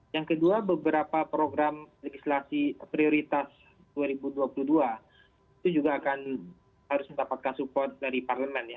yang kedua beberapa program legislasi prioritas dua ribu dua puluh dua itu juga akan harus mendapatkan support dari parlemen ya